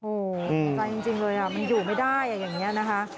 ใจจริงเลยอยู่ไม่ได้อย่างนี้นะคะ